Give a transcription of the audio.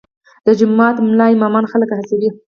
د جومات ملا امامان خلک هڅوي؟